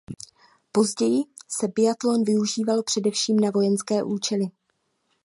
Později se biatlon využíval především na vojenské účely.